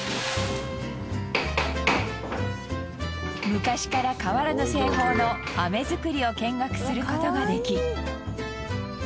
昔から変わらぬ製法の飴作りを見学する事ができ。